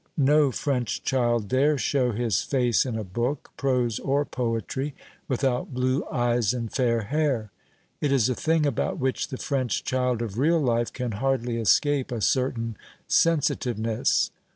No French child dare show his face in a book prose or poetry without blue eyes and fair hair. It is a thing about which the French child of real life can hardly escape a certain sensitiveness.